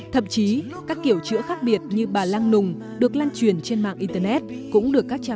thậm chí các kiểu chữa khác biệt như bà lang nùng được lan truyền trên mạng